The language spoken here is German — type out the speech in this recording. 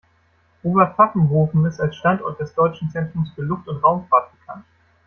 Oberpfaffenhofen ist als Standort des Deutschen Zentrums für Luft- und Raumfahrt bekannt.